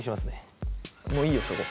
もういいよそれ。